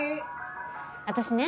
私ね